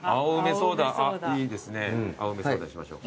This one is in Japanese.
ソーダにしましょう。